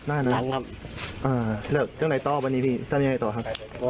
อ่าแล้วตั้งไหนต่อบันนี้พี่ตั้งไหนต่อครับ